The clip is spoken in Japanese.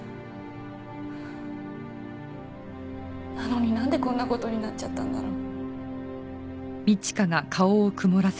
なのになんでこんな事になっちゃったんだろう。